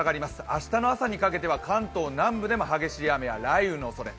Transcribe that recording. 明日の朝にかけては関東南部では激しい雨や雷雨のおそれ。